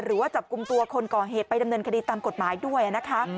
หรือว่าจับกลุ่มตัวคนก่อเหตุไปดำเนินคดีตามกฎหมายด้วยนะคะ